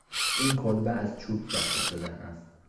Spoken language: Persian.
این کلبه از چوب ساخته شده است.